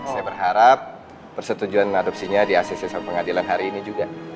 saya berharap persetujuan adopsinya di aset aset pengadilan hari ini juga